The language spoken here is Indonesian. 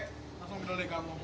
langsung bener deh kamu